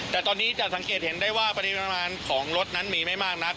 แต่ตอนนี้จะสังเกตเห็นได้ว่าปริมาณของรถนั้นมีไม่มากนัก